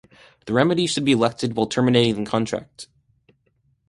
The remedy should be elected while terminating the contract.